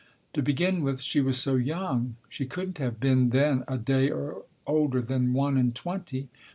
To begin with, she was so young. She couldn't have been, then, a day older than one and twenty.